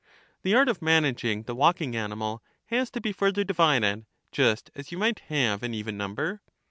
The art of managing the walking animal has to be further divided, just as you might halve an even number.